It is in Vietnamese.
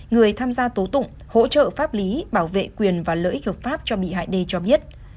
người tham gia tố tụng hỗ trợ pháp lý bảo vệ quyền và lợi ích hợp pháp cho bị hại d cho biết